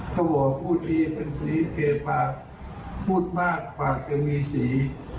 เขาบอกพูดดีเป็นสีเทปากพูดมากปากจะมีสี